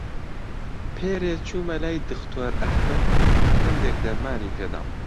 پێرێ چوومە لای دختۆر ئەحمەد، هەندێک دەرمانی پێ دام.